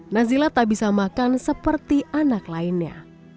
nazila tak bisa makan seperti anak lainnya